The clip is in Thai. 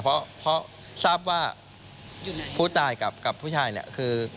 เพราะทราบว่าผู้ตายกับผู้ชายเนี่ยคือ